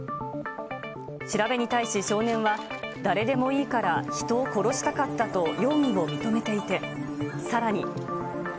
調べに対し、少年は、誰でもいいから人を殺したかったと容疑を認めていて、さらに。